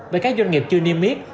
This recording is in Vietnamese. với các doanh nghiệp chưa niêm biết